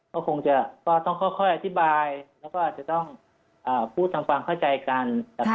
ก็คงจะต้องค่อยอธิบายแล้วก็อาจจะต้องพูดทำความเข้าใจกัน